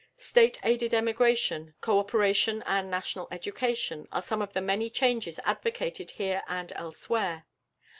State aided emigration, co operation and national education, are some of the many changes advocated here and elsewhere.